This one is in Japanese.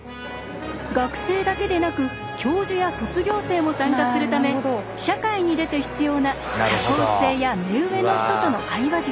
学生だけでなく教授や卒業生も参加するため社会に出て必要な社交性や目上の人との会話術